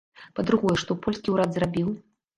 Па-другое, што польскі ўрад зрабіў?